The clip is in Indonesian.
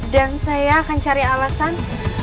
dan saya akan cari alasan